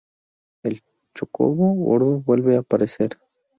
El chocobo gordo vuelve a aparecer.